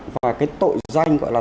và cái tội danh gọi là